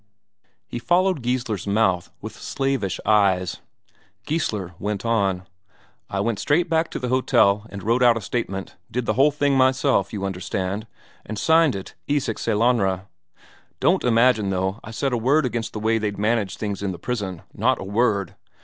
He followed Geissler's mouth with slavish eyes. Geissler went on: "I went straight back to the hotel and wrote out a statement; did the whole thing myself, you understand, and signed it 'Isak Sellanraa.' Don't imagine, though, I said a word against the way they'd managed things in the prison. Not a word.